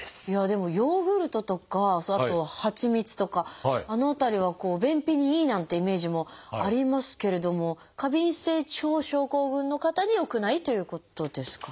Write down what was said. でもヨーグルトとかあとはちみつとかあの辺りは便秘にいいなんていうイメージもありますけれども過敏性腸症候群の方によくないということですか？